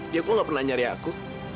dia kok gak pernah nyari aku